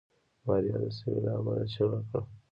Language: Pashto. ماريا د سوي له امله چيغه کړه.